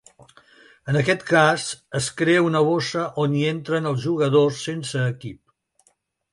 En aquesta cas, es crea una bossa on hi entren els jugadors sense equip.